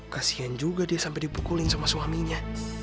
kasihan juga dia sampe dipukulin sama suaminya